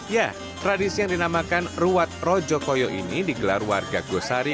ya tradisi yang dinamakan ruat rojo koyo ini digelar warga gosari